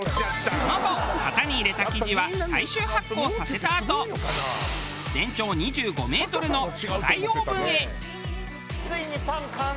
その後型に入れた生地は最終発酵させたあと全長２５メートルの巨大オーブンへ。